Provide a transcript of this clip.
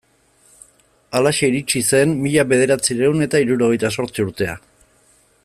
Halaxe iritsi zen mila bederatziehun eta hirurogeita zortzi urtea.